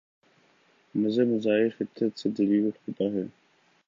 مذہب مظاہر فطرت سے دلیل اٹھاتا ہے۔